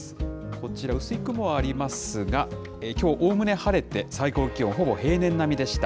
こちら、薄い雲はありますが、きょう、おおむね晴れて、最高気温ほぼ平年並みでした。